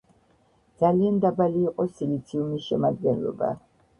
ძალიან დაბალი იყო სილიციუმის შემადგენლობა.